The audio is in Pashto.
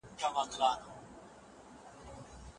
آیا ته ازاد یې که غلام؟